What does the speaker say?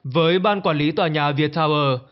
với ban quản lý tòa nhà viettower